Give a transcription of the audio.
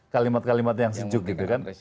kalimat kalimat yang sejuk gitu kan